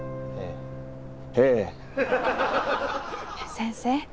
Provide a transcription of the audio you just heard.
先生